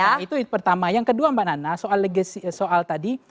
ya itu pertama yang kedua mbak nana soal legasi soal tadi